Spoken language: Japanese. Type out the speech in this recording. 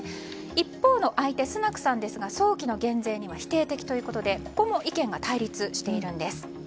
一方の相手、スナクさんですが早期の減税には否定的ということでここも意見が対立しているんです。